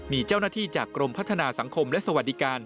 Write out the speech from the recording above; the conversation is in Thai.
มีเจ้าหน้าที่จากกรมพัฒนาสังคมและสวัสดิการ